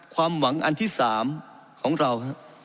ความหวังอันที่๓ของเรา